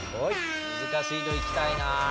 難しいのいきたいなあ。